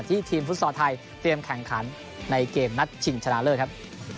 ทีมฟุตซอลไทยเตรียมแข่งขันในเกมนัดชิงชนะเลิศครับ